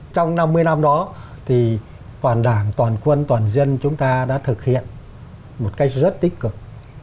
trong năm mươi năm đó thì toàn đảng toàn quân toàn dân chúng ta đã thực hiện một cách rất tích cực